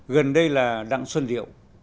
gần đây là đặng xuân điệu